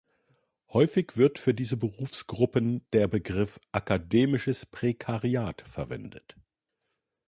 Häufig wird für diese Berufsgruppen der Begriff Akademisches Prekariat verwendet.